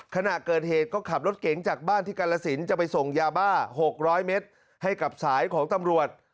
ขณะเกิดเหตุก็ขับรถเก๋งจากบ้านที่กรสินจะไปส่งยาบ้า๖๐๐เมตรให้กับสายของตำรวจ